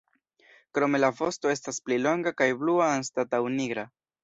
Krome la vosto estas pli longa kaj blua anstataŭ nigra.